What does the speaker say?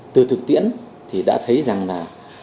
từ thực tiễn thì đã thấy rằng là